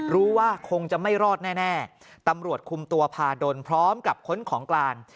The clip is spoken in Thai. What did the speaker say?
รู้ว่าคงจะไม่รอดแน่ตำรวจคุมตัวพาดลพร้อมกับค้นของกลาง